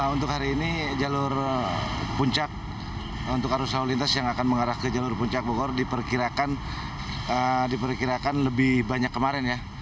untuk hari ini jalur puncak untuk arus lalu lintas yang akan mengarah ke jalur puncak bogor diperkirakan lebih banyak kemarin ya